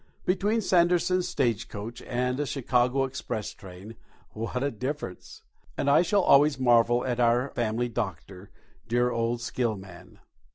Between Sanderson's stage coach and a Chicago express train, what a difference! And I shall always marvel at our family doctor. Dear old Dr. Skillman!